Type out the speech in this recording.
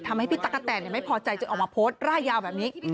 พี่ตั๊กกะแตนไม่พอใจจึงออกมาโพสต์ร่ายยาวแบบนี้